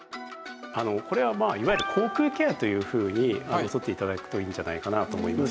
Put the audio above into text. これはまあいわゆる口腔ケアというふうにとって頂くといいんじゃないかなと思います。